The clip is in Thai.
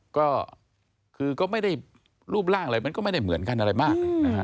ก็คือก็ไม่ได้รูปร่างอะไรมันก็ไม่ได้เหมือนกันอะไรมากนะฮะ